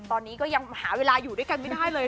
ตอนนี้ก็ยังหาเวลาอยู่ด้วยกันไม่ได้เลย